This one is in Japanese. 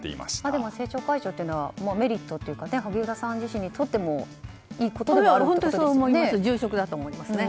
でも政調会長というのはメリットというか萩生田さん自身にとってもいいことではあるってことですよね。